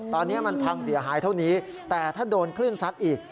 ตอนนี้มันพังเสียหายเท่านี้แต่ถ้าโดนคลื่นซัดอีก